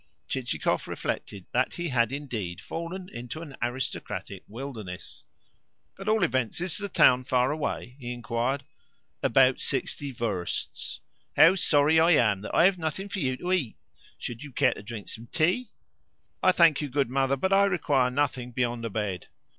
Chichikov reflected that he had indeed fallen into an aristocratic wilderness! "At all events, is the town far away?" he inquired. "About sixty versts. How sorry I am that I have nothing for you to eat! Should you care to drink some tea?" "I thank you, good mother, but I require nothing beyond a bed."